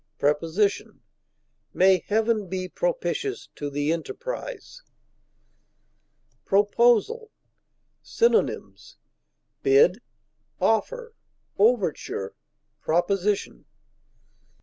Preposition: May heaven be propitious to the enterprise. PROPOSAL. Synonyms: bid, offer, overture, proposition.